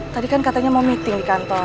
tadi kan katanya mau meeting di kantor